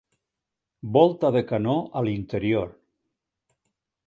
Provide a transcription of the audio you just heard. Volta de canó a l'interior.